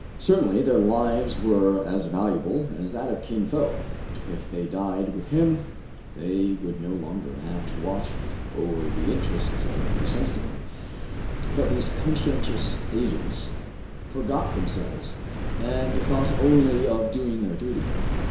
Certainly their lives were as valuable as that of Kin Fo. If they died with him, they would no longer have to watch over the interests of the Centenary. But these conscientious agents forgot themselves, and thought only of doing their duty.